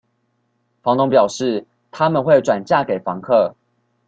房東表示，他們會轉嫁給房客